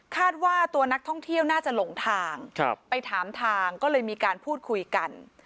ว่าตัวนักท่องเที่ยวน่าจะหลงทางไปถามทางก็เลยมีการพูดคุยกัน